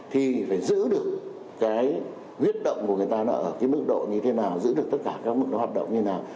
thì phải giữ được cái huyết động của người ta ở cái mức độ như thế nào giữ được tất cả các mức nó hoạt động như thế nào